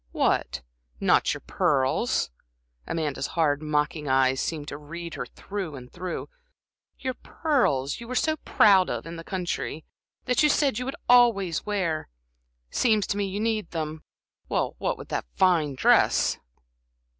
"What, not your pearls?" Amanda's hard, mocking eyes seemed to read her through and through. "Your pearls you were so proud of in the country, that you said you'd always wear. Seems to me you need them with that fine dress!"